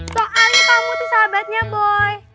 soalnya kamu tuh sahabatnya boy